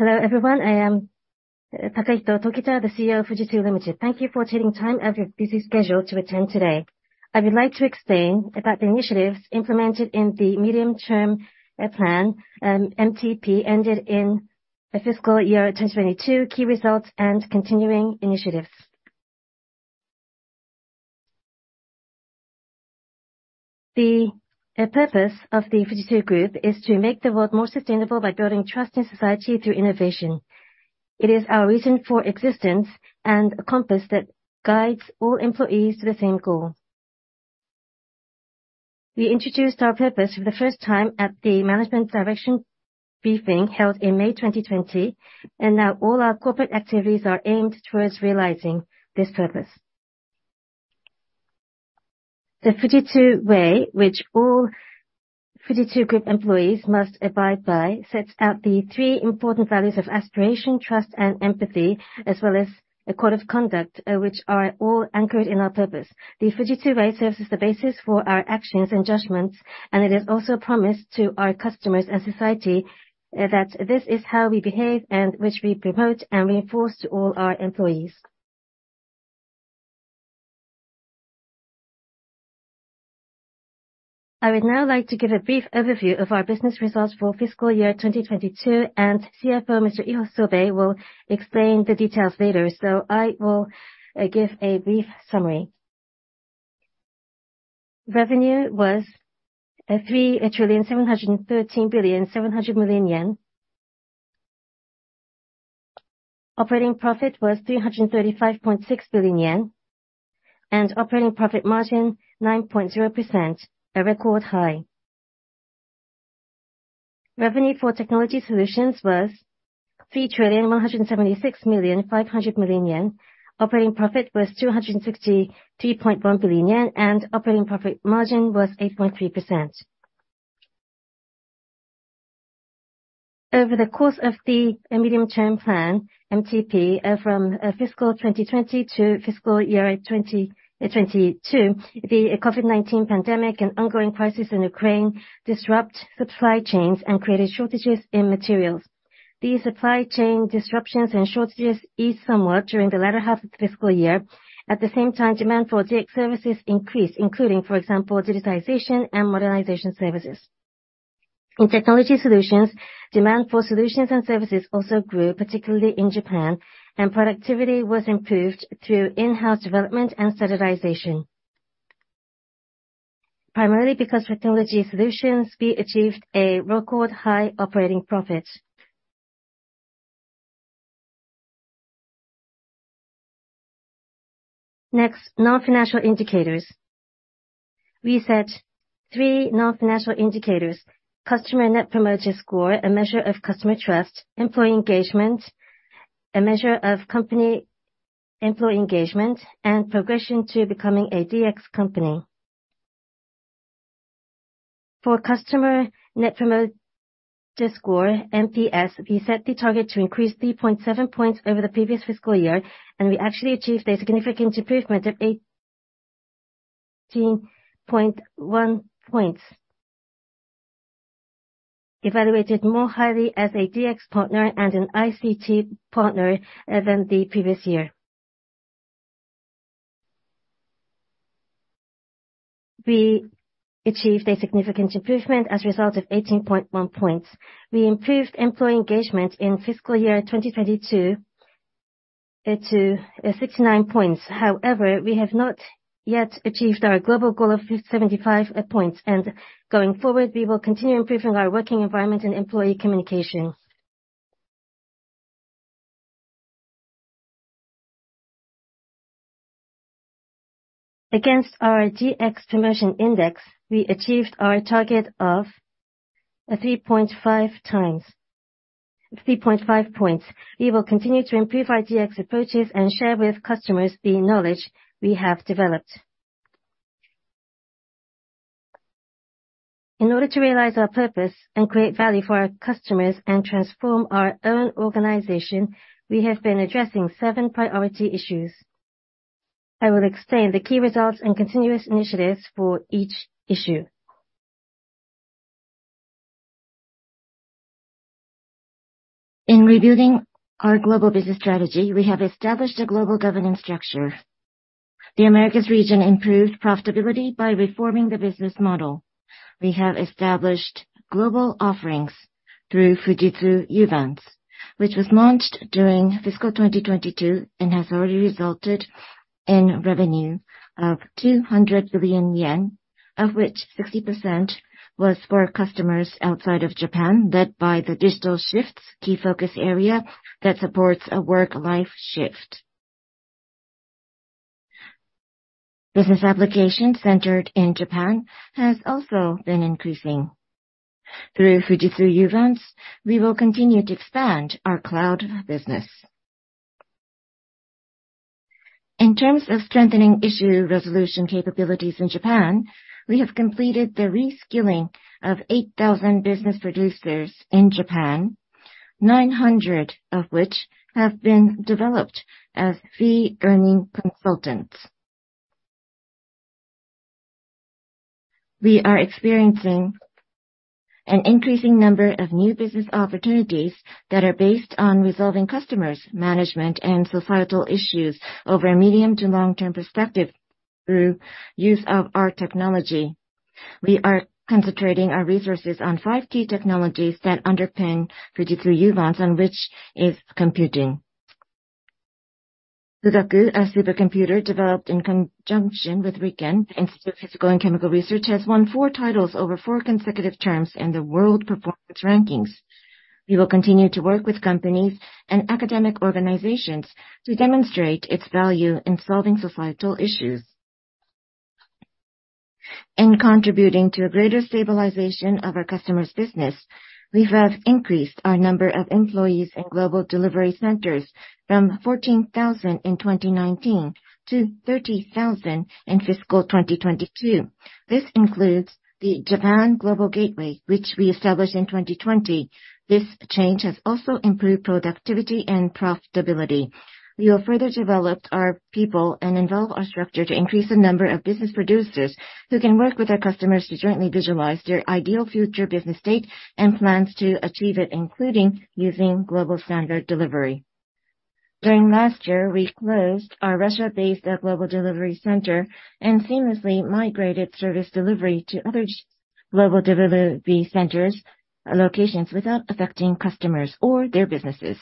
Hello, everyone. I am Takahito Tokita, the CEO of Fujitsu Limited. Thank you for taking time out of your busy schedule to attend today. I would like to explain about the initiatives implemented in the medium term plan, MTP ended in the fiscal year 2022, key results and continuing initiatives. The purpose of the Fujitsu Group is to make the world more sustainable by building trust in society through innovation. It is our reason for existence and a compass that guides all employees to the same goal. We introduced our purpose for the first time at the Management Direction briefing held in May 2020, and now all our corporate activities are aimed towards realizing this purpose. The Fujitsu Way, which all Fujitsu Group employees must abide by, sets out the three important values of aspiration, trust and empathy, as well as a code of conduct, which are all anchored in our purpose. The Fujitsu Way serves as the basis for our actions and judgments, and it is also a promise to our customers and society that this is how we behave and which we promote and reinforce to all our employees. I would now like to give a brief overview of our business results for fiscal year 2022, and CFO Mr. Isobe will explain the details later, so I will give a brief summary. Revenue was 3,713.7 billion. Operating profit was 335.6 billion yen, and operating profit margin 9.0%, a record high. Revenue for Technology Solutions was 3,176.5 billion yen. Operating profit was 263.1 billion yen, and operating profit margin was 8.3%. Over the course of the medium term plan, MTP, from fiscal 2020 to fiscal year 2022, the COVID-19 pandemic and ongoing crisis in Ukraine disrupt supply chains and created shortages in materials. These supply chain disruptions and shortages eased somewhat during the latter half of the fiscal year. At the same time, demand for services increased, including, for example, digitization and modernization services. In Technology Solutions, demand for solutions and services also grew, particularly in Japan, and productivity was improved through in-house development and standardization. Primarily because Technology Solutions, we achieved a record high operating profit. Next, non-financial indicators. We set three non-financial indicators. Customer Net Promoter Score, a measure of customer trust. Employee engagement, a measure of company employee engagement. Progression to becoming a DX company. For Customer Net Promoter Score, NPS, we set the target to increase 3.7 points over the previous fiscal year, we actually achieved a significant improvement of 18.1 points. Evaluated more highly as a DX partner and an ICT partner than the previous year. We achieved a significant improvement as a result of 18.1 points. We improved employee engagement in fiscal year 2022 to 69 points. However, we have not yet achieved our global goal of 75 points, going forward, we will continue improving our working environment and employee communication. Against our DX promotion index, we achieved our target of 3.5 times. 3.5 points. We will continue to improve our DX approaches and share with customers the knowledge we have developed. In order to realize our purpose and create value for our customers and transform our own organization, we have been addressing seven priority issues. I will explain the key results and continuous initiatives for each issue. In rebuilding our global business strategy, we have established a global governance structure. The Americas region improved profitability by reforming the business model. We have established global offerings through Fujitsu Uvance, which was launched during fiscal 2022 and has already resulted in revenue of 200 billion yen, of which 60% was for customers outside of Japan, led by the digital shifts key focus area that supports a Work Life Shift. Business application centered in Japan has also been increasing. Through Fujitsu Uvance, we will continue to expand our cloud business. In terms of strengthening issue resolution capabilities in Japan, we have completed the reskilling of 8,000 business producers in Japan, 900 of which have been developed as fee earning consultants. We are experiencing an increasing number of new business opportunities that are based on resolving customers' management and societal issues over a medium to long-term perspective through use of our technology. We are concentrating our resources on five key technologies that underpin Fujitsu Uvance, on which is computing. Fugaku, a supercomputer developed in conjunction with RIKEN Institute of Physical and Chemical Research, has won four titles over four consecutive terms in the world performance rankings. We will continue to work with companies and academic organizations to demonstrate its value in solving societal issues. In contributing to a greater stabilization of our customers' business, we have increased our number of employees in Global Delivery Centers from 14,000 in 2019 to 30,000 in fiscal 2022. This includes the Japan Global Gateway, which we established in 2020. This change has also improved productivity and profitability. We have further developed our people and evolved our structure to increase the number of business producers who can work with our customers to jointly visualize their ideal future business state and plans to achieve it, including using global standard delivery. During last year, we closed our Russia-based Global Delivery Center and seamlessly migrated service delivery to other Global Delivery Centers and locations without affecting customers or their businesses.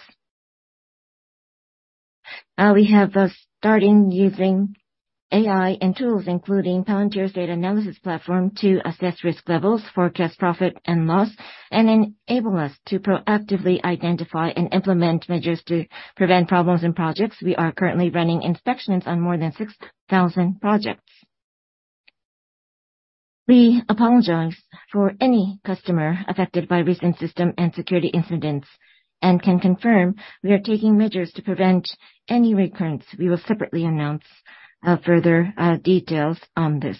We have started using AI and tools, including Palantir's data analysis platform to assess risk levels, forecast profit and loss, and enable us to proactively identify and implement measures to prevent problems in projects. We are currently running inspections on more than 6,000 projects. We apologize for any customer affected by recent system and security incidents, and can confirm we are taking measures to prevent any recurrence. We will separately announce further details on this.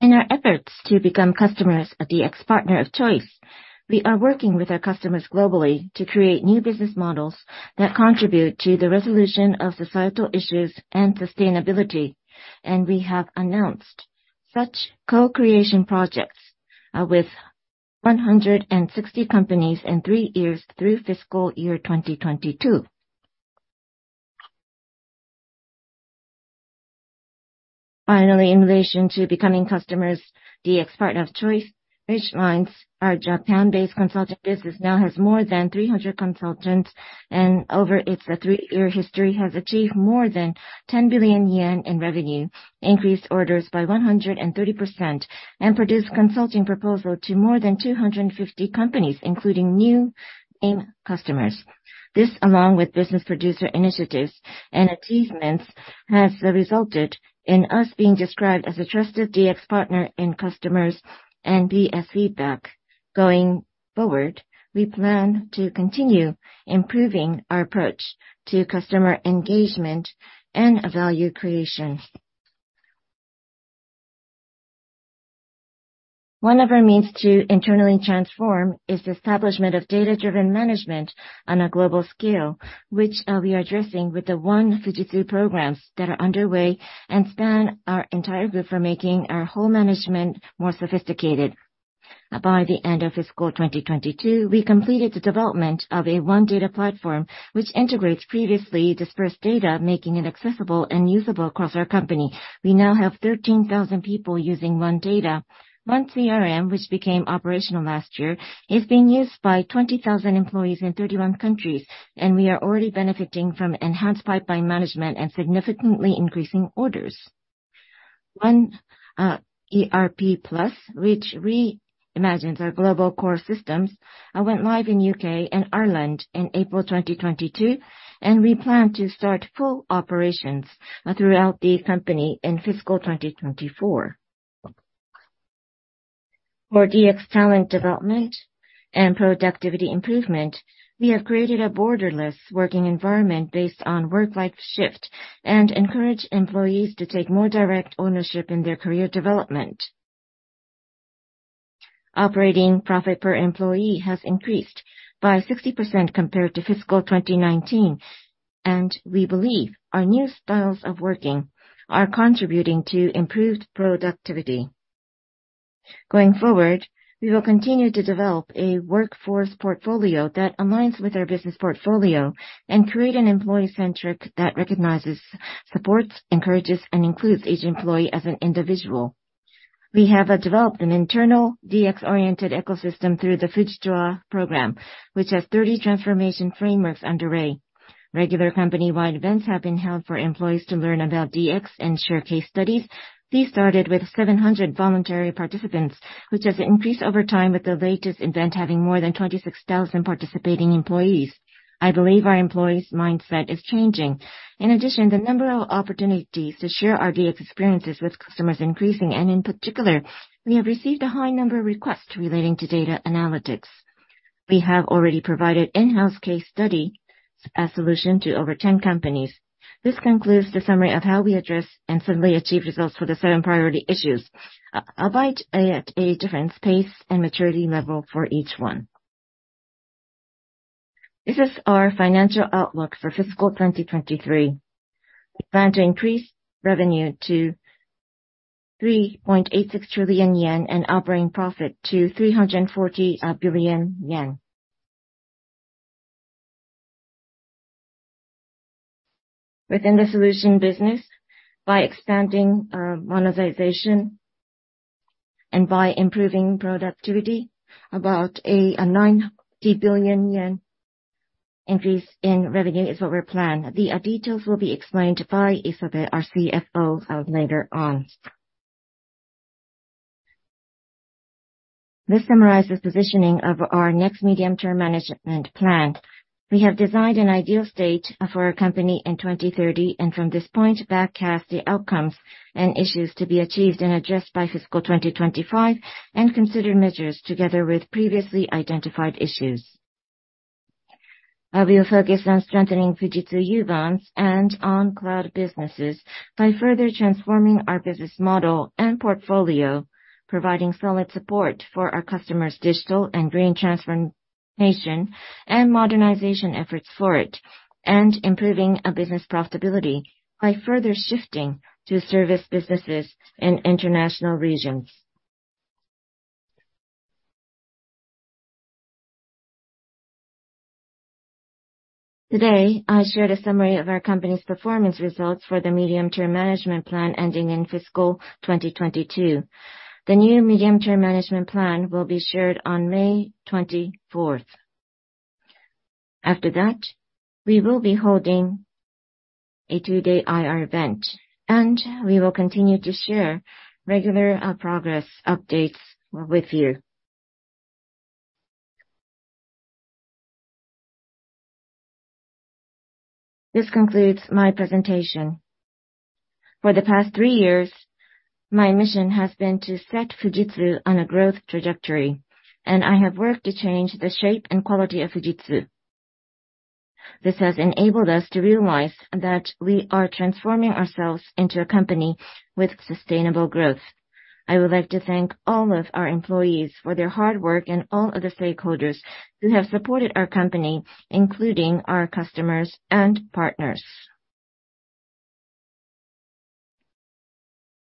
In our efforts to become customers a DX partner of choice, we are working with our customers globally to create new business models that contribute to the resolution of societal issues and sustainability. We have announced such co-creation projects with 160 companies in 3 years through fiscal year 2022. Finally, in relation to becoming customers' DX partner of choice, Ridgelinez, our Japan-based consulting business now has more than 300 consultants, and over its 3-year history has achieved more than 10 billion yen in revenue, increased orders by 130%, and produced consulting proposal to more than 250 companies, including new aim customers. This, along with business producer initiatives and achievements, has resulted in us being described as a trusted DX partner in customers and their feedback. Going forward, we plan to continue improving our approach to customer engagement and value creation. One of our means to internally transform is the establishment of data-driven management on a global scale, which we are addressing with the One Fujitsu programs that are underway and span our entire Group for making our whole management more sophisticated. By the end of fiscal 2022, we completed the development of a One Data platform, which integrates previously dispersed data, making it accessible and usable across our company. We now have 13,000 people using One Data. One CRM, which became operational last year, is being used by 20,000 employees in 31 countries, and we are already benefiting from enhanced pipeline management and significantly increasing orders. One OneERP+, which reimagines our global core systems, went live in U.K. and Ireland in April 2022, and we plan to start full operations throughout the company in fiscal 2024. For DX talent development and productivity improvement, we have created a borderless working environment based on Work Life Shift and encourage employees to take more direct ownership in their career development. Operating profit per employee has increased by 60% compared to fiscal 2019, and we believe our new styles of working are contributing to improved productivity. Going forward, we will continue to develop a workforce portfolio that aligns with our business portfolio and create an employee-centric that recognizes, supports, encourages, and includes each employee as an individual. We have developed an internal DX-oriented ecosystem through the Fujitra program, which has 30 transformation frameworks underway. Regular company-wide events have been held for employees to learn about DX and share case studies. These started with 700 voluntary participants, which has increased over time, with the latest event having more than 26,000 participating employees. I believe our employees' mindset is changing. In addition, the number of opportunities to share our DX experiences with customers increasing, and in particular, we have received a high number of requests relating to data analytics. We have already provided in-house case study a solution to over 10 companies. This concludes the summary of how we address and suddenly achieve results for the seven priority issues, albeit at a different pace and maturity level for each one. This is our financial outlook for fiscal 2023. We plan to increase revenue to 3.86 trillion yen and operating profit to 340 billion yen. Within the solution business, by expanding monetization and by improving productivity, about a 90 billion yen increase in revenue is what we plan. The details will be explained by Isobe, our CFO, later on. This summarizes positioning of our next medium-term management plan. We have designed an ideal state for our company in 2030, and from this point backcast the outcomes and issues to be achieved and addressed by fiscal 2025, and consider measures together with previously identified issues. We will focus on strengthening Fujitsu Uvance and on cloud businesses by further transforming our business model and portfolio, providing solid support for our customers' digital and green transformation, and modernization efforts for it, and improving our business profitability by further shifting to service businesses in international regions. Today, I shared a summary of our company's performance results for the medium-term management plan ending in fiscal 2022. The new medium-term management plan will be shared on May 24th. After that, we will be holding a two-day IR event. We will continue to share regular progress updates with you. This concludes my presentation. For the past three years, my mission has been to set Fujitsu on a growth trajectory. I have worked to change the shape and quality of Fujitsu. This has enabled us to realize that we are transforming ourselves into a company with sustainable growth. I would like to thank all of our employees for their hard work and all of the stakeholders who have supported our company, including our customers and partners.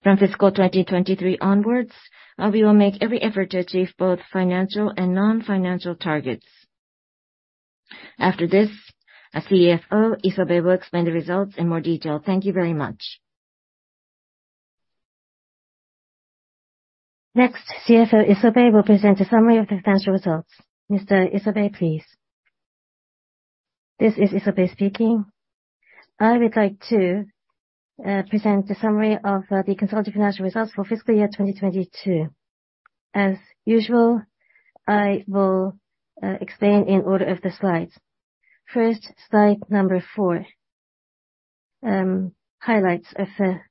From fiscal 2023 onwards, we will make every effort to achieve both financial and non-financial targets. After this, our CFO, Isobe, will explain the results in more detail. Thank you very much. CFO Isobe will present a summary of the financial results. Mr. Isobe, please. This is Isobe speaking. I would like to present the summary of the consolidated financial results for fiscal year 2022. As usual, I will explain in order of the slides. Slide number 4. Highlights of the financial results.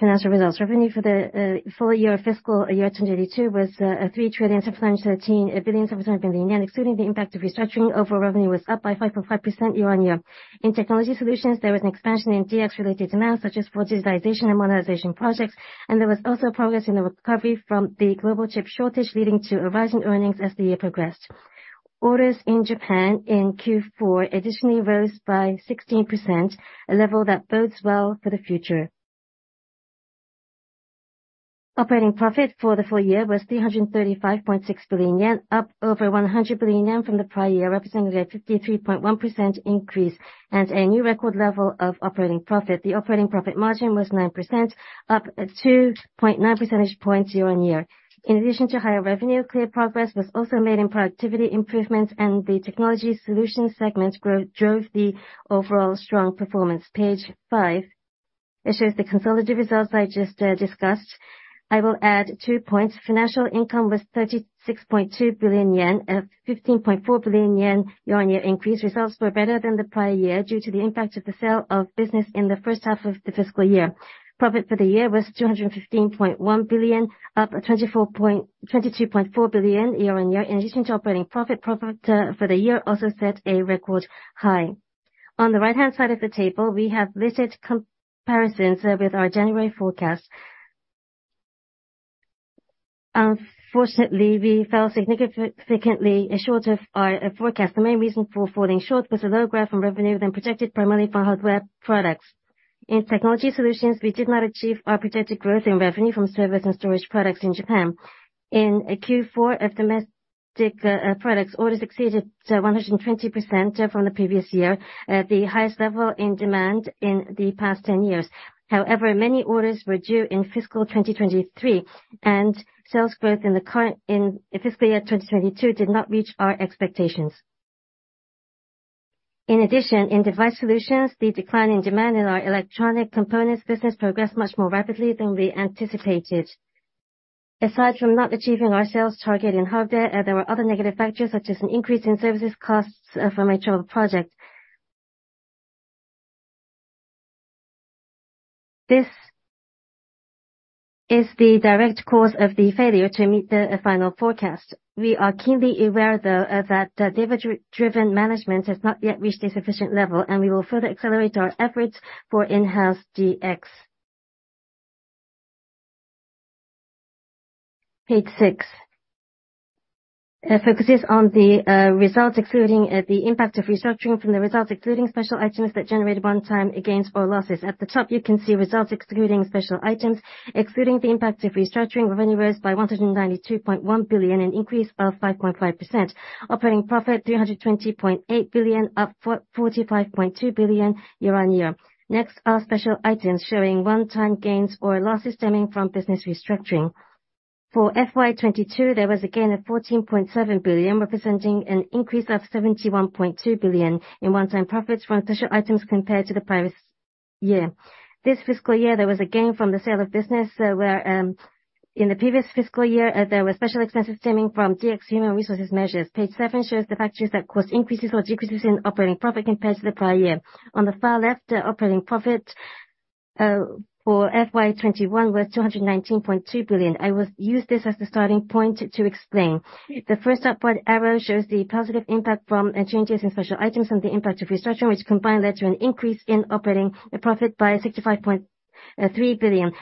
Revenue for the full year fiscal year 2022 was 3 trillion 713 billion 700 million. Excluding the impact of restructuring, overall revenue was up by 5.5% year-on-year. In Technology Solutions, there was an expansion in DX-related demands, such as virtualization and monetization projects, and there was also progress in the recovery from the global chip shortage, leading to a rise in earnings as the year progressed. Orders in Japan in Q4 additionally rose by 16%, a level that bodes well for the future. Operating profit for the full year was 335.6 billion yen, up over 100 billion yen from the prior year, representing a 53.1% increase and a new record level of operating profit. The operating profit margin was 9%, up 2.9 percentage points year-on-year. In addition to higher revenue, clear progress was also made in productivity improvements, and the Technology Solutions segment drove the overall strong performance. Page 5. It shows the consolidated results I just discussed. I will add two points. Financial income was 36.2 billion yen, at 15.4 billion yen year-on-year increase. Results were better than the prior year due to the impact of the sale of business in the first half of the fiscal year. Profit for the year was 215.1 billion, up 22.4 billion year-on-year. In addition to operating profit for the year also set a record high. On the right-hand side of the table, we have listed comparisons with our January forecast. Unfortunately, we fell significantly short of our forecast. The main reason for falling short was a low growth in revenue than projected primarily for hardware products. In Technology Solutions, we did not achieve our projected growth in revenue from servers and storage products in Japan. In Q4 of domestic, products, orders exceeded 120% from the previous year, at the highest level in demand in the past 10 years. However, many orders were due in fiscal 2023, and sales growth in fiscal year 2022 did not reach our expectations. In addition, in Device Solutions, the decline in demand in our electronic components business progressed much more rapidly than we anticipated. Aside from not achieving our sales target in hardware, there were other negative factors such as an increase in services costs, from a travel project. This is the direct cause of the failure to meet the final forecast. We are keenly aware, though, that data-driven management has not yet reached a sufficient level. We will further accelerate our efforts for enhanced DX. Page 6 focuses on the results excluding the impact of restructuring from the results, excluding special items that generate one-time gains or losses. At the top, you can see results excluding special items. Excluding the impact of restructuring, revenue rose by 192.1 billion, an increase of 5.5%. Operating profit, 320.8 billion, up 45.2 billion year-on-year. Next are special items showing one-time gains or losses stemming from business restructuring. For FY22, there was a gain of 14.7 billion, representing an increase of 71.2 billion in one-time profits from special items compared to the previous year. This fiscal year, there was a gain from the sale of business, where, in the previous fiscal year, there were special expenses stemming from DX human resources measures. Page 7 shows the factors that caused increases or decreases in operating profit compared to the prior year. On the far left, operating profit for FY21 was 219.2 billion. I will use this as the starting point to explain. The first upward arrow shows the positive impact from changes in special items and the impact of restructuring, which combined led to an increase in operating profit by 65.3 billion.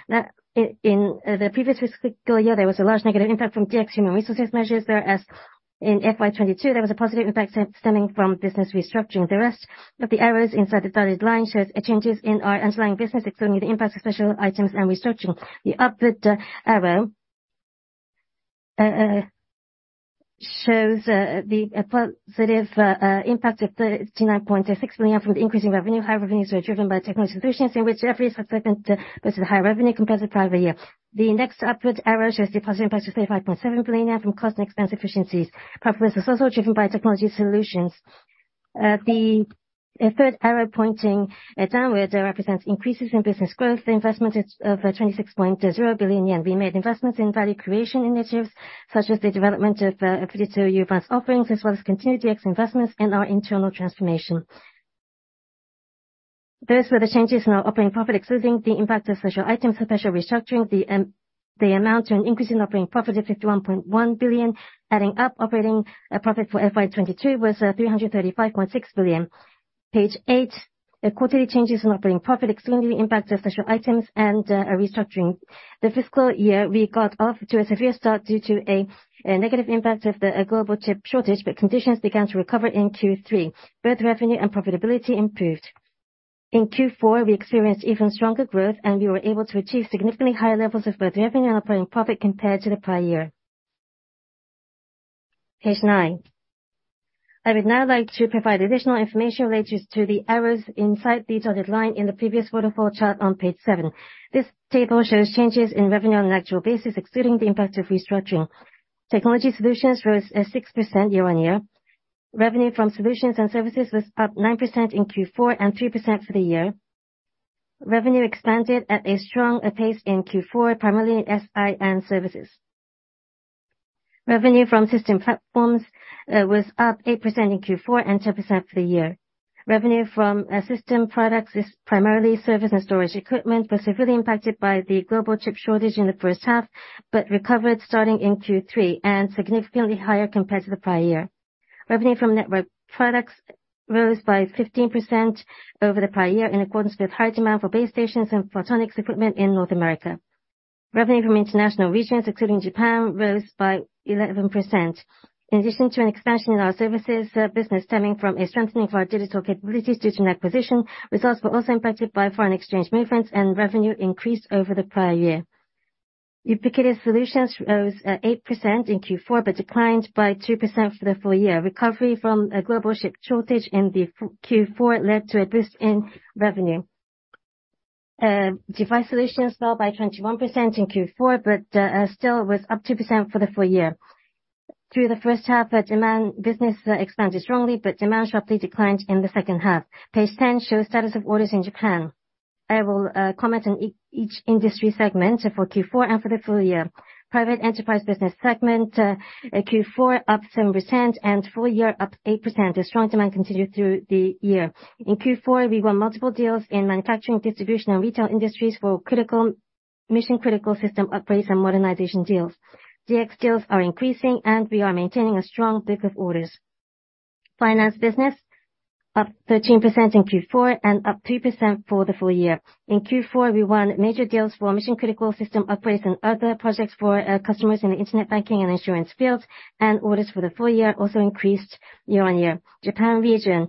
In the previous fiscal year, there was a large negative impact from DX human resources measures, whereas in FY22, there was a positive impact stemming from business restructuring. The rest of the arrows inside the dotted line shows changes in our underlying business, excluding the impact of special items and restructuring. The upward arrow shows the positive impact of 39.6 billion from the increase in revenue. High revenues were driven by Technology Solutions, in which every segment goes to the higher revenue compared to the prior year. The next upward arrow shows the positive impact of 35.7 billion from cost and expense efficiencies. Profit was also driven by Technology Solutions. The third arrow pointing downward represents increases in business growth investment of 26.0 billion yen. We made investments in value creation initiatives, such as the development of 37 advanced offerings as well as continued DX investments and our internal transformation. Those were the changes in our operating profit, excluding the impact of special items, special restructuring, the amount to an increase in operating profit of 51.1 billion. Adding up operating profit for FY22 was 335.6 billion. Page 8, quarterly changes in operating profit, excluding the impact of special items and restructuring. The fiscal year, we got off to a severe start due to a negative impact of the global chip shortage, conditions began to recover in Q3. Both revenue and profitability improved. In Q4, we experienced even stronger growth, we were able to achieve significantly higher levels of both revenue and operating profit compared to the prior year. Page 9. I would now like to provide additional information related to the errors inside the dotted line in the previous waterfall chart on page 7. This table shows changes in revenue on an actual basis, excluding the impact of restructuring. Technology Solutions rose at 6% year-on-year. Revenue from Solutions/Services was up 9% in Q4 and 3% for the year. Revenue expanded at a strong pace in Q4, primarily in SI and services. Revenue from System Platforms was up 8% in Q4 and 10% for the year. Revenue from System Platforms is primarily service and storage equipment, was severely impacted by the global chip shortage in the first half, but recovered starting in Q3 and significantly higher compared to the prior year. Revenue from network products rose by 15% over the prior year in accordance with high demand for base stations and photonics equipment in North America. Revenue from international regions, excluding Japan, rose by 11%. In addition to an expansion in our services business stemming from a strengthening of our digital capabilities due to an acquisition, results were also impacted by foreign exchange movements and revenue increase over the prior year. Ubiquitous Solutions rose at 8% in Q4, but declined by 2% for the full year. Recovery from a global chip shortage in Q4 led to a boost in revenue. Device Solutions fell by 21% in Q4 but still was up 2% for the full year. Through the first half, demand business expanded strongly, but demand sharply declined in the second half. Page 10 shows status of orders in Japan. I will comment on each industry segment for Q4 and for the full year. Private enterprise business segment, Q4 up 7% and full year up 8% as strong demand continued through the year. In Q4, we won multiple deals in manufacturing, distribution, and retail industries for mission-critical system upgrades and modernization deals. DX deals are increasing, and we are maintaining a strong book of orders. Finance business up 13% in Q4 and up 2% for the full year. In Q4, we won major deals for mission-critical system upgrades and other projects for customers in the internet banking and insurance fields, and orders for the full year also increased year-on-year. Japan region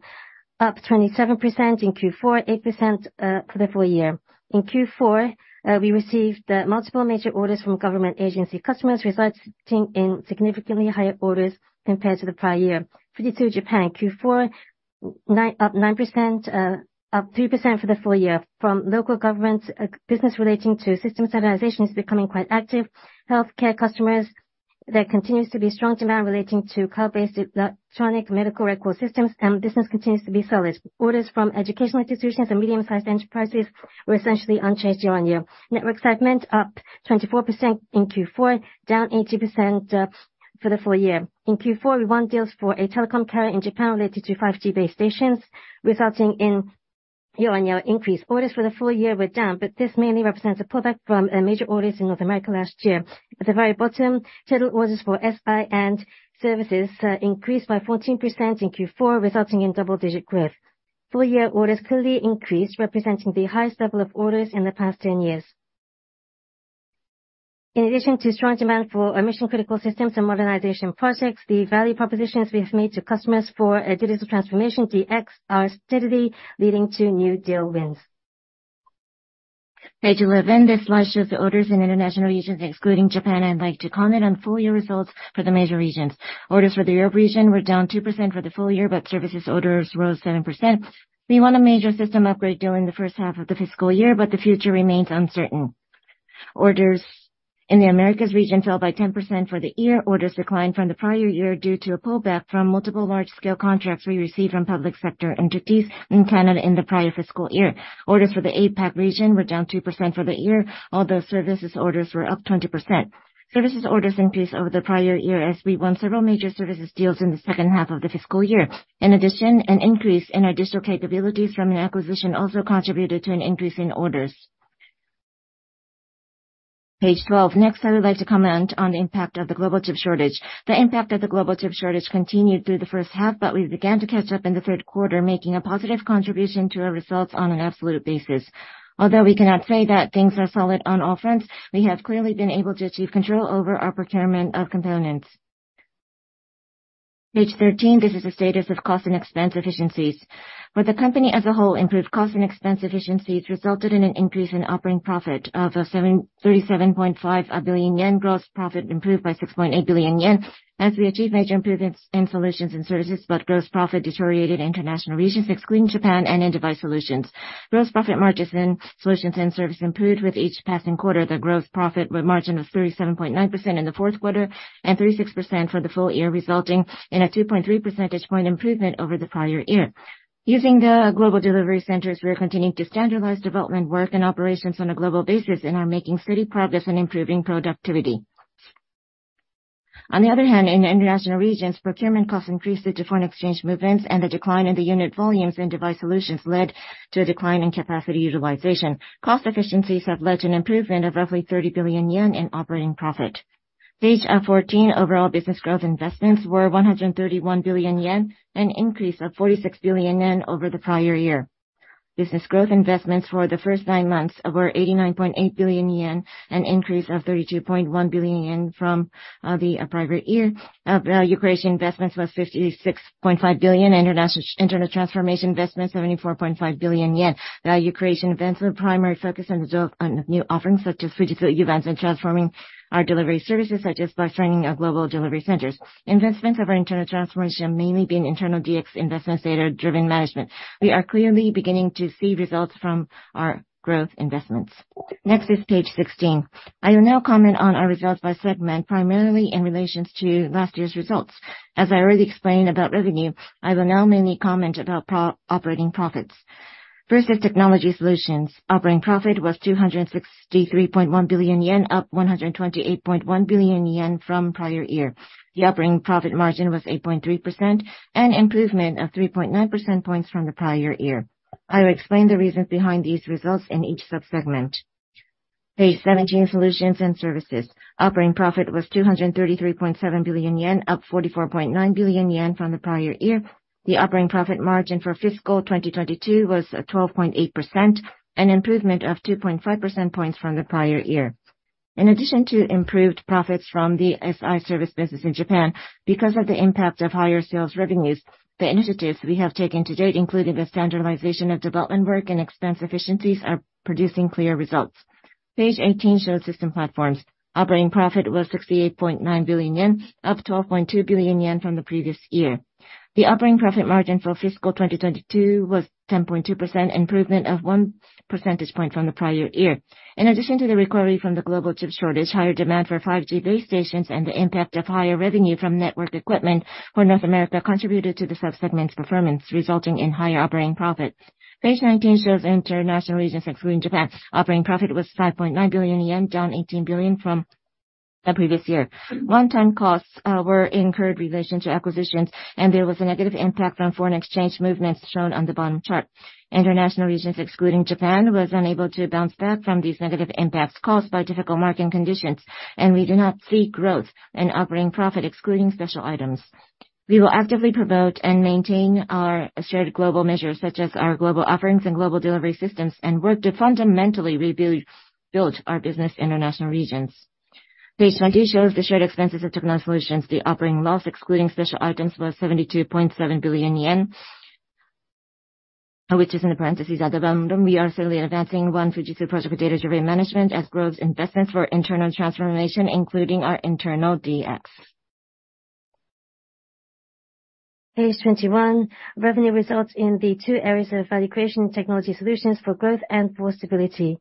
up 27% in Q4, 8% for the full year. In Q4, we received multiple major orders from government agency customers, resulting in significantly higher orders compared to the prior year. 37 Japan, Q4, up 9%, up 3% for the full year from local government. Business relating to system standardization is becoming quite active. Healthcare customers, there continues to be strong demand relating to cloud-based electronic medical record systems, and business continues to be solid. Orders from educational institutions and medium-sized enterprises were essentially unchanged year-on-year. Network segment up 24% in Q4, down 18% for the full year. In Q4, we won deals for a telecom carrier in Japan related to 5G base stations, resulting in a Year-on-year increase. Orders for the full year were down, but this mainly represents a pullback from major orders in North America last year. At the very bottom, total orders for SI and services increased by 14% in Q4, resulting in double-digit growth. Full year orders clearly increased, representing the highest level of orders in the past 10 years. In addition to strong demand for mission-critical systems and modernization projects, the value propositions we have made to customers for digital transformation, DX, are steadily leading to new deal wins. Page 11. This slide shows the orders in international regions, excluding Japan. I'd like to comment on full year results for the major regions. Orders for the Europe region were down 2% for the full year, but services orders rose 7%. We won a major system upgrade during the first half of the fiscal year, but the future remains uncertain. Orders in the Americas region fell by 10% for the year. Orders declined from the prior year due to a pullback from multiple large-scale contracts we received from public sector entities in Canada in the prior fiscal year. Orders for the APAC region were down 2% for the year, although services orders were up 20%. Services orders increased over the prior year as we won several major services deals in the second half of the fiscal year. In addition, an increase in our digital capabilities from an acquisition also contributed to an increase in orders. Page 12. Next, I would like to comment on the impact of the global chip shortage. The impact of the global chip shortage continued through the first half, but we began to catch up in the third quarter, making a positive contribution to our results on an absolute basis. Although we cannot say that things are solid on all fronts, we have clearly been able to achieve control over our procurement of components. Page 13. This is the status of cost and expense efficiencies. For the company as a whole, improved cost and expense efficiencies resulted in an increase in operating profit of 37.5 billion yen. Gross profit improved by 6.8 billion yen as we achieved major improvements in Solutions/Services, but gross profit deteriorated international regions excluding Japan and in Device Solutions. Gross profit margins in Solutions and service improved with each passing quarter. The gross profit with margin of 37.9% in the fourth quarter and 36% for the full year, resulting in a 2.3 percentage point improvement over the prior year. Using the Global Delivery Centers, we are continuing to standardize development work and operations on a global basis and are making steady progress in improving productivity. On the other hand, in international regions, procurement costs increased due to foreign exchange movements and the decline in the unit volumes in Device Solutions led to a decline in capacity utilization. Cost efficiencies have led to an improvement of roughly 30 billion yen in operating profit. Page 14. Overall business growth investments were 131 billion yen, an increase of 46 billion yen over the prior year. Business growth investments for the first nine months were 89.8 billion yen, an increase of 32.1 billion yen from the prior year. Value creation investments was 56.5 billion. International internal transformation investment, 74.5 billion yen. Value creation investment primary focus on new offerings such as Fujitsu Uvance and transforming our delivery services such as by strengthening our Global Delivery Centers. Investments of our internal transformation have mainly been internal DX investments data-driven management. We are clearly beginning to see results from our growth investments. Next is page 16. I will now comment on our results by segment, primarily in relations to last year's results. As I already explained about revenue, I will now mainly comment about operating profits. First is Technology Solutions. Operating profit was 263.1 billion yen, up 128.1 billion yen from prior year. The operating profit margin was 8.3%, an improvement of 3.9 percentage points from the prior year. I will explain the reasons behind these results in each sub-segment. Page 17, Solutions/Services. Operating profit was 233.7 billion yen, up 44.9 billion yen from the prior year. The operating profit margin for fiscal 2022 was 12.8%, an improvement of 2.5 percentage points from the prior year. In addition to improved profits from the SI service business in Japan, because of the impact of higher sales revenues, the initiatives we have taken to date, including the standardization of development work and expense efficiencies, are producing clear results. Page eighteen shows System Platforms. Operating profit was 68.9 billion yen, up 12.2 billion yen from the previous year. The operating profit margin for fiscal 2022 was 10.2%, improvement of 1 percentage point from the prior year. In addition to the recovery from the global chip shortage, higher demand for 5G base stations and the impact of higher revenue from network equipment for North America contributed to the sub-segment's performance, resulting in higher operating profits. Page nineteen shows international regions excluding Japan. Operating profit was 5.9 billion yen, down 18 billion from the previous year. One-time costs were incurred in relation to acquisitions, and there was a negative impact from foreign exchange movements shown on the bottom chart. International regions excluding Japan was unable to bounce back from these negative impacts caused by difficult market conditions, and we do not see growth in operating profit excluding special items. We will actively promote and maintain our shared global measures, such as our global offerings and global delivery systems, and work to fundamentally rebuild our business in international regions. Page 20 shows the shared expenses of Technology Solutions. The operating loss excluding special items was 72.7 billion yen, which is in the parentheses at the bottom. We are currently advancing One Fujitsu project for data-driven management as growth investments for internal transformation, including our internal DX. Page 21. Revenue results in the two areas of value creation and Technology Solutions for growth and for stability.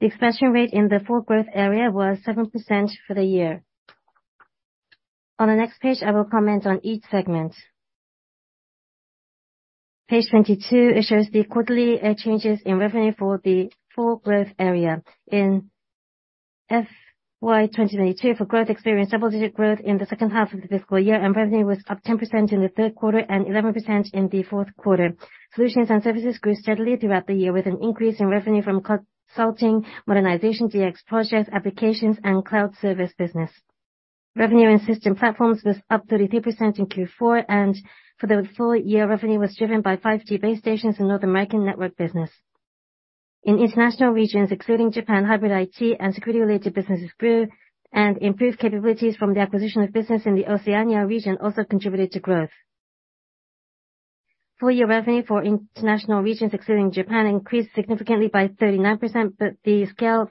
The expansion rate in the for growth area was 7% for the year. On the next page, I will comment on each segment. Page 22. It shows the quarterly changes in revenue for the growth area. FY2022 for growth experience double-digit growth in the second half of the fiscal year, and revenue was up 10% in the third quarter and 11% in the fourth quarter. Solutions and services grew steadily throughout the year, with an increase in revenue from consulting, modernization, DX projects, applications, and cloud service business. Revenue and System Platforms was up 33% in Q4, and for the full year, revenue was driven by 5G base stations in North American network business. In international regions, including Japan, hybrid IT and security related businesses grew and improved capabilities from the acquisition of business in the Oceania region also contributed to growth. Full year revenue for international regions excluding Japan increased significantly by 39%, but the scale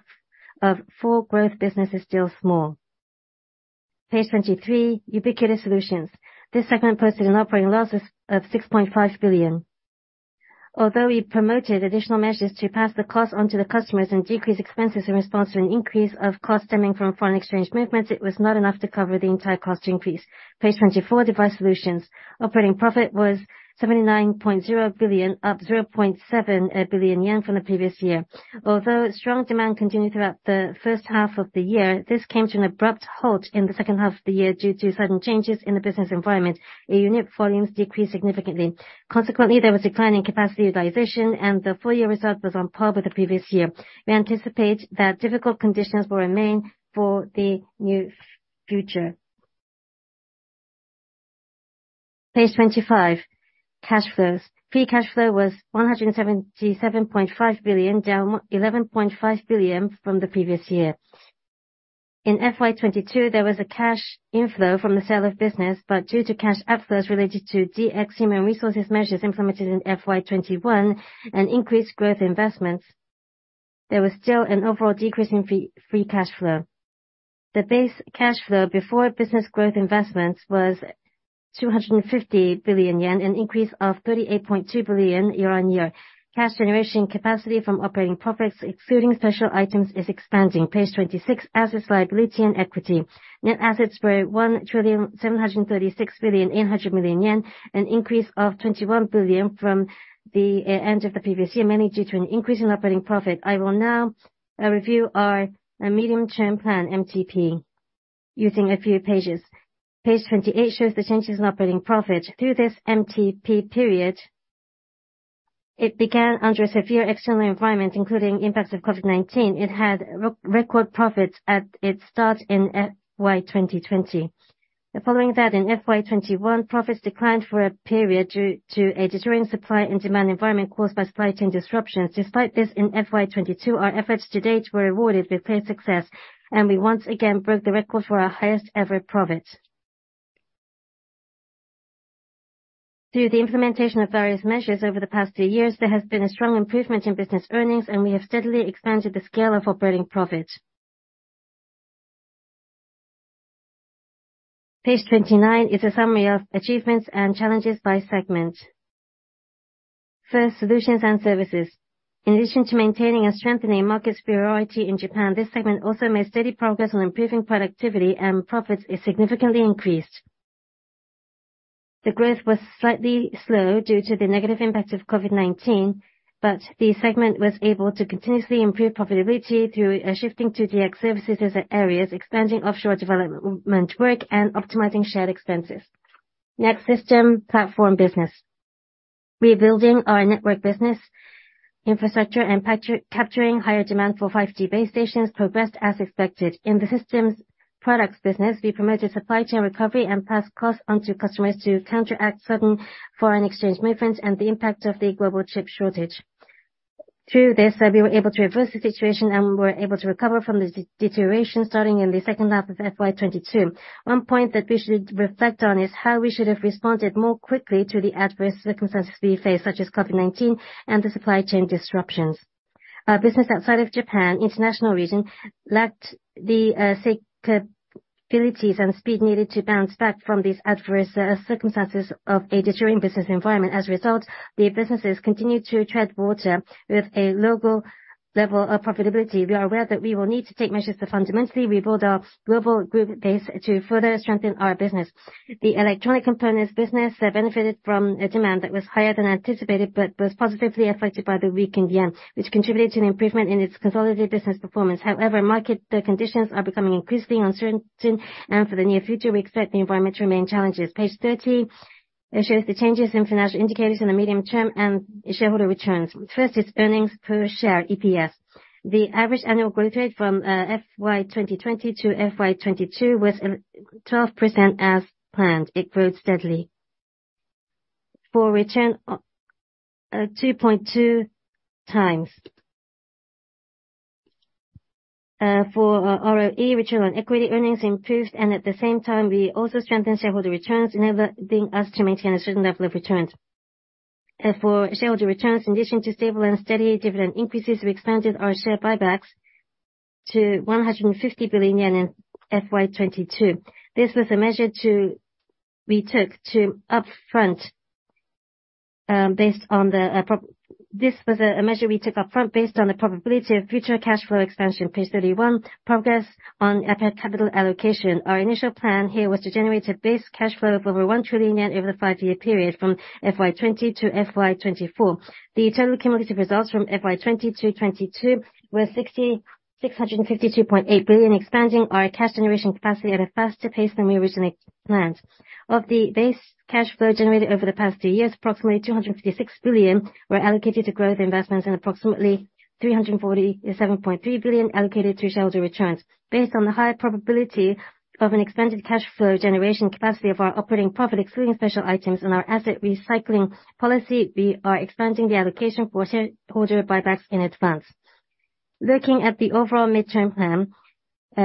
of full growth business is still small. Page 23, Ubiquitous Solutions. This segment posted an operating loss of 6.5 billion. Although we promoted additional measures to pass the cost on to the customers and decrease expenses in response to an increase of costs stemming from foreign exchange movements, it was not enough to cover the entire cost increase. Page 24, Device Solutions. Operating profit was 79.0 billion, up 0.7 billion yen from the previous year. Although strong demand continued throughout the first half of the year, this came to an abrupt halt in the second half of the year due to sudden changes in the business environment. Unit volumes decreased significantly. Consequently, there was a decline in capacity utilization and the full year result was on par with the previous year. We anticipate that difficult conditions will remain for the new future. Page 25, Cash flows. Free cash flow was 177.5 billion, down 11.5 billion from the previous year. In FY22, there was a cash inflow from the sale of business. Due to cash outflows related to DX human resources measures implemented in FY21 and increased growth investments, there was still an overall decrease in free cash flow. The base cash flow before business growth investments was 250 billion yen, an increase of 38.2 billion year-on-year. Cash generation capacity from operating profits, excluding special items, is expanding. Page 26, Assets, liability and equity. Net assets were 1,736.8 billion yen, an increase of 21 billion from the end of the previous year, mainly due to an increase in operating profit. I will now review our Medium-Term Management Plan, MTP, using a few pages. Page 28 shows the changes in operating profit. Through this MTP period, it began under severe external environment, including impacts of COVID-19. It had re-record profits at its start in FY2020. Following that, in FY2021, profits declined for a period due to a deterring supply and demand environment caused by supply chain disruptions. Despite this, in FY2022, our efforts to date were rewarded with clear success, and we once again broke the record for our highest ever profit. Through the implementation of various measures over the past 2 years, there has been a strong improvement in business earnings, and we have steadily expanded the scale of operating profit. Page 29 is a summary of achievements and challenges by segment. First, Solutions/Services. In addition to maintaining and strengthening market superiority in Japan, this segment also made steady progress on improving productivity and profits is significantly increased. The growth was slightly slow due to the negative impact of COVID-19, but the segment was able to continuously improve profitability through shifting to DX services as areas, expanding offshore development work and optimizing shared expenses. System platform business. Rebuilding our network business infrastructure and capturing higher demand for 5G base stations progressed as expected. In the systems products business, we promoted supply chain recovery and passed costs on to customers to counteract certain foreign exchange movements and the impact of the global chip shortage. Through this, we were able to reverse the situation and we were able to recover from the deterioration starting in the second half of FY22. One point that we should reflect on is how we should have responded more quickly to the adverse circumstances we face, such as COVID-19 and the supply chain disruptions. Our business outside of Japan, international region, lacked the capabilities and speed needed to bounce back from these adverse circumstances of a deterring business environment. As a result, the businesses continued to tread water with a local level of profitability. We are aware that we will need to take measures to fundamentally rebuild our global group base to further strengthen our business. The electronic components business benefited from a demand that was higher than anticipated. Was positively affected by the weakened yen, which contributed to an improvement in its consolidated business performance. However, market conditions are becoming increasingly uncertain, and for the near future, we expect the environment to remain challenges. Page 30 shows the changes in financial indicators in the medium term and shareholder returns. First is earnings per share, EPS. The average annual growth rate from FY2020 to FY22 was 12% as planned. It grows steadily. For return, 2.2 times. For ROE, return on equity, earnings improved, and at the same time, we also strengthened shareholder returns, enabling us to maintain a certain level of returns. For shareholder returns, in addition to stable and steady dividend increases, we expanded our share buybacks to 150 billion yen in FY22. This was a measure we took upfront based on the probability of future cash flow expansion. Page 31, Progress. On EPET capital allocation. Our initial plan here was to generate a base cash flow of over 1 trillion yen over the five-year period from FY 2020-FY 2024. The total cumulative results from FY 2020-FY 2022 were 6,652.8 billion, expanding our cash generation capacity at a faster pace than we originally planned. Of the base cash flow generated over the past two years, approximately 256 billion were allocated to growth investments and approximately 347.3 billion allocated to shareholder returns. Based on the high probability of an expanded cash flow generation capacity of our operating profit, excluding special items and our asset recycling policy, we are expanding the allocation for shareholder buybacks in advance. Looking at the overall midterm plan,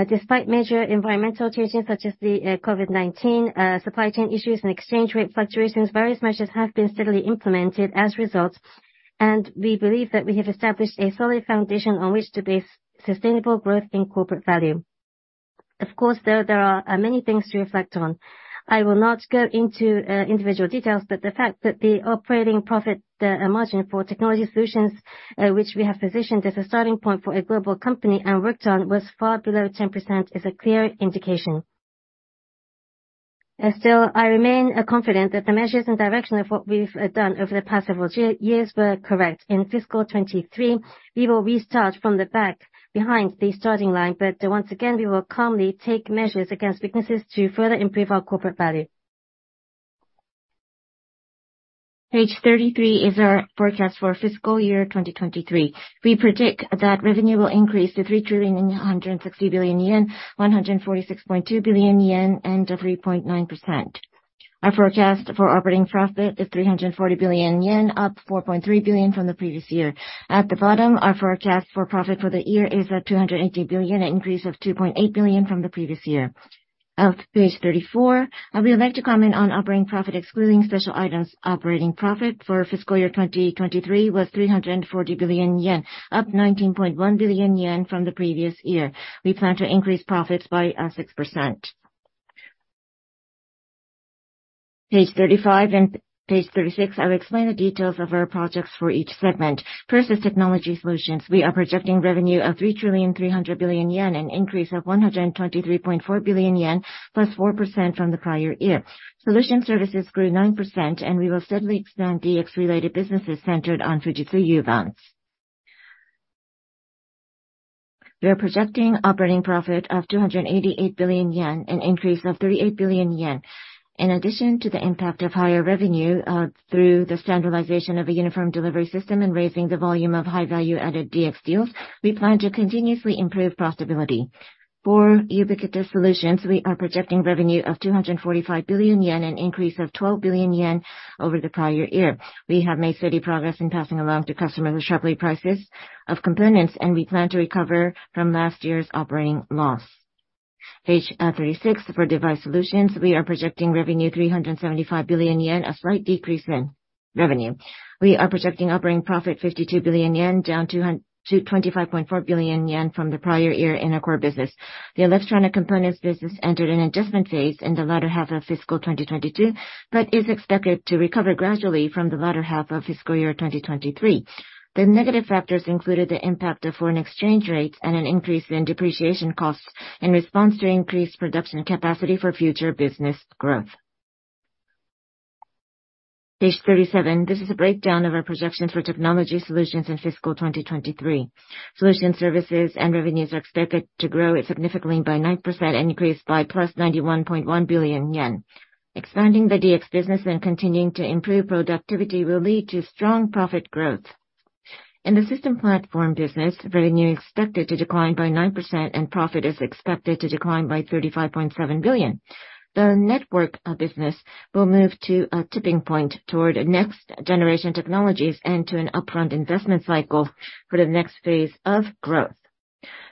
despite major environmental changes such as the COVID-19, supply chain issues and exchange rate fluctuations, various measures have been steadily implemented as a result, and we believe that we have established a solid foundation on which to base sustainable growth in corporate value. Of course, there are many things to reflect on. I will not go into individual details, but the fact that the operating profit, the margin for Technology Solutions, which we have positioned as a starting point for a global company and worked on, was far below 10% is a clear indication. Still, I remain confident that the measures and direction of what we've done over the past several years were correct. In fiscal 2023, we will restart from the back behind the starting line, but once again, we will calmly take measures against weaknesses to further improve our corporate value. Page 33 is our forecast for fiscal year 2023. We predict that revenue will increase to 3,160 billion yen, 146.2 billion yen, and to 3.9%. Our forecast for operating profit is 340 billion yen, up 4.3 billion from the previous year. At the bottom, our forecast for profit for the year is at 280 billion, an increase of 2.8 billion from the previous year. Page 34. I would like to comment on operating profit, excluding special items. Operating profit for fiscal year 2023 was 340 billion yen, up 19.1 billion yen from the previous year. We plan to increase profits by 6%. Page 35 and page 36, I'll explain the details of our projects for each segment. First is Technology Solutions. We are projecting revenue of 3,300 billion yen, an increase of 123.4 billion yen, +4% from the prior year. Solution Services grew 9%, and we will steadily expand DX-related businesses centered on Fujitsu Uvance. We are projecting operating profit of 288 billion yen, an increase of 38 billion yen. In addition to the impact of higher revenue, through the standardization of a uniform delivery system and raising the volume of high value-added DX deals, we plan to continuously improve profitability. For Ubiquitous Solutions, we are projecting revenue of 245 billion yen, an increase of 12 billion yen over the prior year. We have made steady progress in passing along to customers the sharply prices of components, We plan to recover from last year's operating loss. Page 36. For Device Solutions, we are projecting revenue 375 billion yen, a slight decrease in revenue. We are projecting operating profit 52 billion yen, down to 25.4 billion yen from the prior year in our core business. The electronic components business entered an adjustment phase in the latter half of fiscal 2022, but is expected to recover gradually from the latter half of fiscal year 2023. The negative factors included the impact of foreign exchange rates and an increase in depreciation costs in response to increased production capacity for future business growth. Page 37. This is a breakdown of our projections for Technology Solutions in fiscal 2023. Solutions/Services and revenues are expected to grow significantly by 9% and increase by +91.1 billion yen. Expanding the DX business and continuing to improve productivity will lead to strong profit growth. In the System Platforms business, revenue expected to decline by 9% and profit is expected to decline by 35.7 billion. The network business will move to a tipping point toward next-generation technologies and to an upfront investment cycle for the next phase of growth.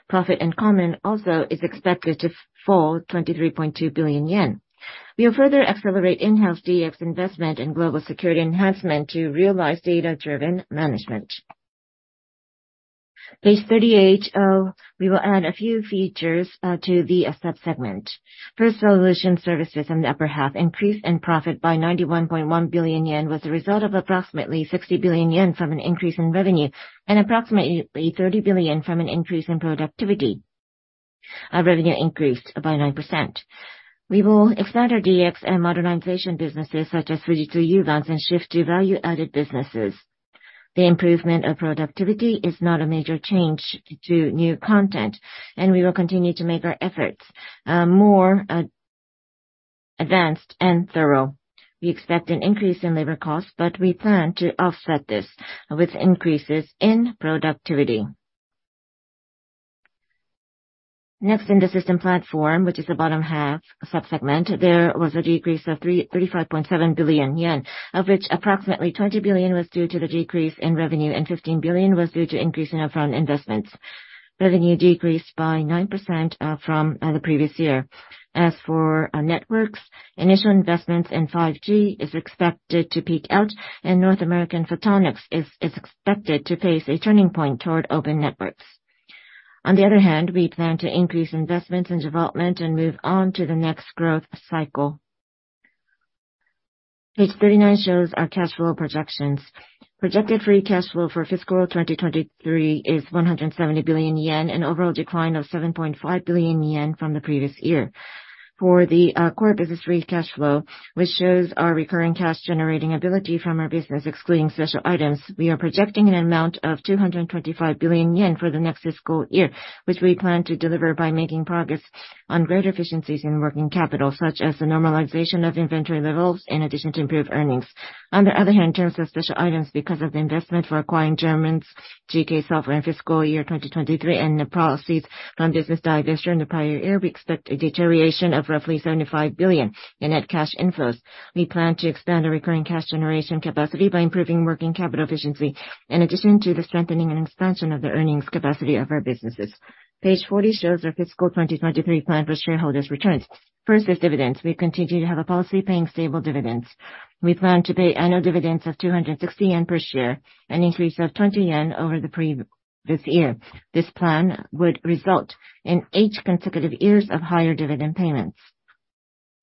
Profit and common also is expected to fall 23.2 billion yen. We'll further accelerate in-house DX investment and global security enhancement to realize data-driven management. Page 38. We will add a few features to the subsegment. Solutions/Services in the upper half increase in profit by 91.1 billion yen was a result of approximately 60 billion yen from an increase in revenue and approximately 30 billion from an increase in productivity. Our revenue increased by 9%. We will expand our DX and modernization businesses, such as Fujitsu Uvance, and shift to value-added businesses. The improvement of productivity is not a major change to new content, and we will continue to make our efforts more advanced and thorough. We expect an increase in labor costs, but we plan to offset this with increases in productivity. In the System Platforms, which is the bottom half subsegment, there was a decrease of 35.7 billion yen, of which approximately 20 billion was due to the decrease in revenue and 15 billion was due to increase in upfront investments. Revenue decreased by 9% from the previous year. As for networks, initial investments in 5G is expected to peak out and North American photonics is expected to face a turning point toward open networks. On the other hand, we plan to increase investments in development and move on to the next growth cycle. Page 39 shows our cash flow projections. Projected free cash flow for fiscal 2023 is 170 billion yen, an overall decline of 7.5 billion yen from the previous year. For the core business free cash flow, which shows our recurring cash generating ability from our business excluding special items, we are projecting an amount of 225 billion yen for the next fiscal year, which we plan to deliver by making progress on greater efficiencies in working capital, such as the normalization of inventory levels in addition to improved earnings. On the other hand, in terms of special items, because of the investment for acquiring Germany's GK Software in fiscal year 2023 and the proceeds from business divestiture in the prior year, we expect a deterioration of roughly 75 billion in net cash inflows. We plan to expand our recurring cash generation capacity by improving working capital efficiency, in addition to the strengthening and expansion of the earnings capacity of our businesses. Page 40 shows our fiscal 2023 plan for shareholders' returns. First is dividends. We continue to have a policy paying stable dividends. We plan to pay annual dividends of 260 yen per share, an increase of 20 yen over the pre- this year. This plan would result in eight consecutive years of higher dividend payments.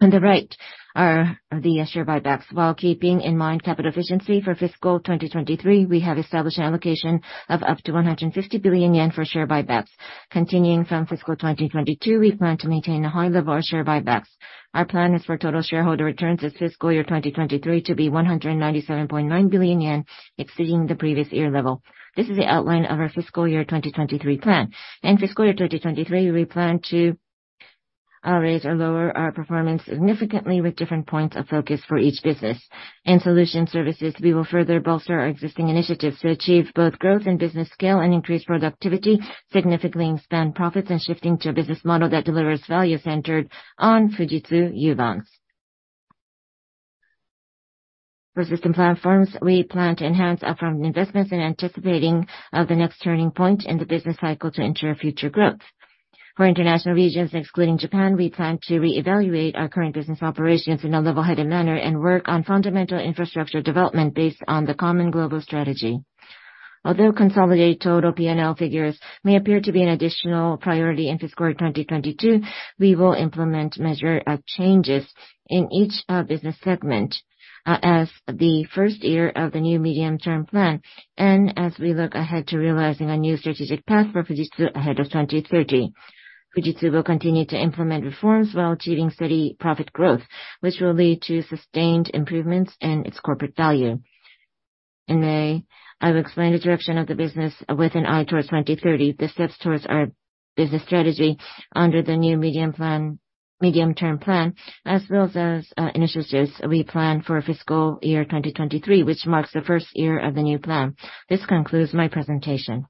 On the right are the share buybacks. While keeping in mind capital efficiency for fiscal 2023, we have established an allocation of up to 150 billion yen for share buybacks. Continuing from fiscal 2022, we plan to maintain a high level of share buybacks. Our plan is for total shareholder returns this fiscal year 2023 to be 197.9 billion yen, exceeding the previous year level. This is the outline of our fiscal year 2023 plan. In fiscal year 2023, we plan to raise or lower our performance significantly with different points of focus for each business. In Solution Services, we will further bolster our existing initiatives to achieve both growth in business scale and increase productivity, significantly expand profits, and shifting to a business model that delivers value centered on Fujitsu Uvance. For System Platforms, we plan to enhance upfront investments in anticipating the next turning point in the business cycle to ensure future growth. For international regions excluding Japan, we plan to reevaluate our current business operations in a level-headed manner and work on fundamental infrastructure development based on the common global strategy. Although consolidated total P&L figures may appear to be an additional priority in fiscal year 2022, we will implement measure of changes in each business segment as the first year of the new medium-term plan and as we look ahead to realizing a new strategic path for Fujitsu ahead of 2030. Fujitsu will continue to implement reforms while achieving steady profit growth, which will lead to sustained improvements in its corporate value. In May, I will explain the direction of the business with an eye towards 2030, the steps towards our business strategy under the new medium-term plan as well as initiatives we plan for fiscal year 2023 which marks the first year of the new plan. This concludes my presentation.